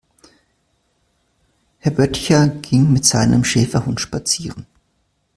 Herr Böttcher ging mit seinem Schäferhund spazieren.